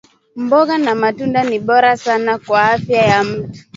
Mboga na matunda ni bora sana ku afya ya mutu